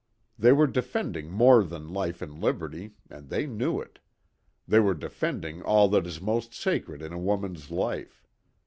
They were defending more than life and liberty, and they knew it. They were defending all that is most sacred in a woman's life.